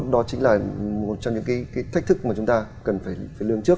đó chính là một trong những cái thách thức mà chúng ta cần phải lương trước